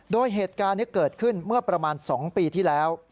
โดยเหตุการณ์นี้เกิดขึ้นเมื่อประมาณ๒ปีที่แล้ว